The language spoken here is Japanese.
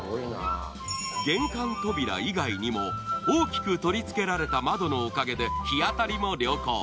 玄関扉以外にも大きく取り付けられた窓のおかげで日当たりも良好。